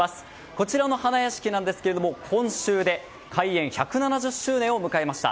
こちらの花やしきなんですが今週で開園１７０周年を迎えました。